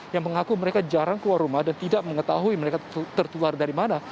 yang mengaku mereka jarang keluar rumah dan tidak mengetahui mereka tertular dari mana